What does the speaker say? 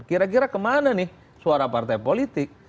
kira kira kemana nih suara partai politik